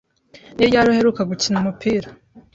Ni ryari uheruka gukina umupira?